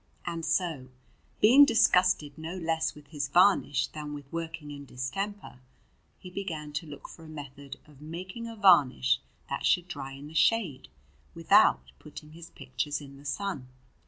And so, being disgusted no less with his varnish than with working in distemper, he began to look for a method of making a varnish that should dry in the shade, without putting his pictures in the sun.